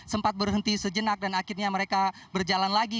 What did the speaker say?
sempat berhenti sejenak dan akhirnya mereka berjalan lagi